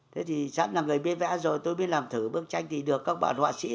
thế thì sẵn là người biết vẽ rồi tôi biết làm thử bức tranh thì được các bạn họa sĩ